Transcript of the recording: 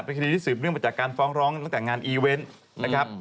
คดีที่สืบเนื่องมาจากการฟ้องร้องตั้งแต่งานอีเวนต์นะครับ